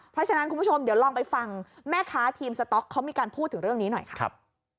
เพราะฉะนั้นคุณผู้ชมเดี๋ยวลองไปฟังแม่ค้าทีมสต๊อกเขามีการพูดถึงเรื่องนี้หน่อยค่ะครับ